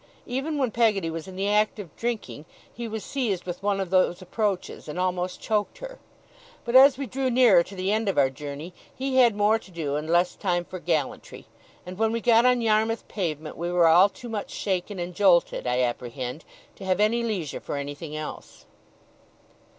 Even when Peggotty was in the act of drinking, he was seized with one of those approaches, and almost choked her. But as we drew nearer to the end of our journey, he had more to do and less time for gallantry; and when we got on Yarmouth pavement, we were all too much shaken and jolted, I apprehend, to have any leisure for anything else.